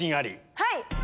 はい！